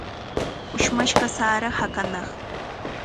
Ushmashqa sara hakanaq.